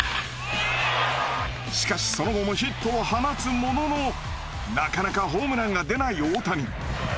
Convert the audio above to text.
しかしその後もヒットは放つもののなかなかホームランが出ない大谷。